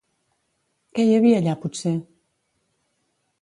Què hi havia allà potser?